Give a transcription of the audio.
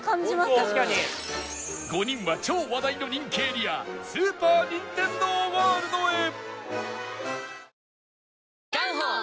５人は超話題の人気エリアスーパー・ニンテンドー・ワールドへ